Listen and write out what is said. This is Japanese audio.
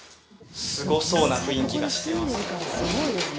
すごそうな雰囲気がしてます。